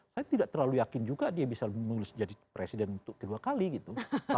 saya tidak terlalu yakin juga dia bisa mengurus jadi presiden untuk kedua kali gitu